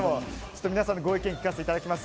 皆さんのご意見を聞かせていただきます。